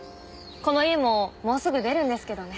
この家ももうすぐ出るんですけどね。